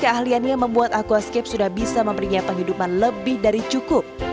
sebagai ahli yang membuat aquascape sudah bisa mempunyai penghidupan lebih dari cukup